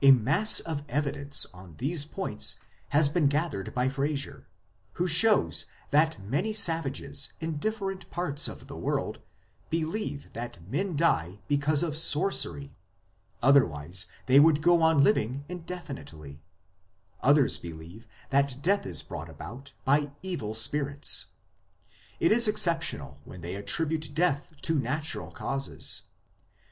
A mass of evidence on these points has been gathered by Frazer, who shows that many savages in different parts of the world believe that men die because of sorcery, otherwise they would go on living indefinitely ; others believe that death is brought about by evil spirits ; it is exceptional when they attribute death to natural causes.